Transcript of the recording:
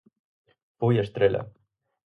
Foi a estrela.